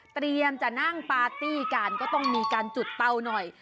เตรียมจะนั่งปาร์ตี้กันก็ต้องมีการจุดเตาหน่อย